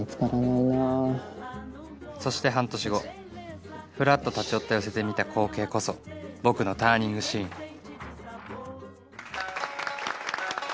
そして半年後ふらっと立ち寄った寄席で見た光景こそ僕のターニングシーン